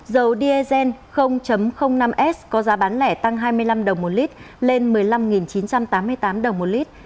dầu diesel năm s có giá bán lẻ tăng hai mươi năm đồng một lít lên một mươi năm chín trăm tám mươi tám đồng một lít